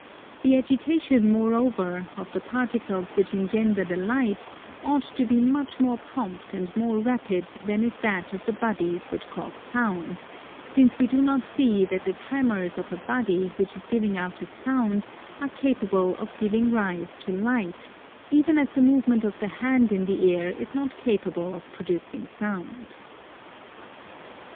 The agitation, moreover, of the particles which engender the light ought to be much more prompt and more rapid than is that of the bodies which cause sound, since we do not see that the tremors of a body which is giving out a sound are capable of giving rise to Light, even as the movement of the hand in the air is not capable of producing Sound.